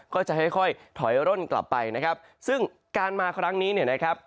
ก็จะค่อยค่อยถอยร่นกลับไปนะครับซึ่งการมาครั้งนี้เนี่ยนะครับ